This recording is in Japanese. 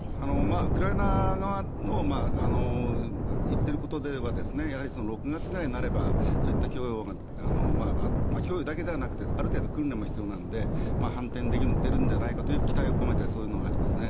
ウクライナ側の言っていることでは６月ぐらいになればそういった供与が供与だけではなくてある程度、訓練も必要なので反転できるのではないかという期待を込めてそういうのがありますね。